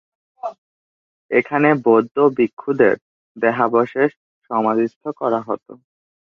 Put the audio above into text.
এখানে বৌদ্ধ ভিক্ষুদের দেহাবশেষ সমাধিস্থ করা হত।